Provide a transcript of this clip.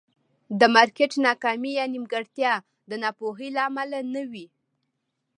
د مارکېټ ناکامي یا نیمګړتیا د ناپوهۍ له امله نه وي.